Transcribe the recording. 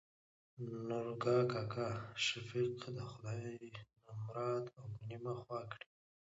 نورګا کاکا : شفيق د خداى نمراد او نيمه خوا کړي.